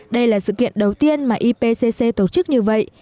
đây là sự kiện đầu tiên mà ipc tổ chức như vậy